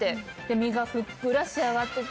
身がふっくら仕上がってて。